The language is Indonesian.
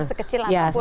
lubang sekecil apapun